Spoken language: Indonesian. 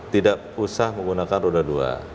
tidak usah menggunakan roda dua